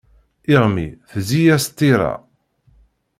Iɣmi, tezzi-yas ṭṭiṛa.